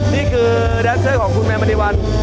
นี่คือแดนเซอร์ของคุณแม่มณีวัน